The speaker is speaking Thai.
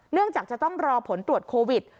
เนื่องจากจะต้องรอผลตรวจโควิด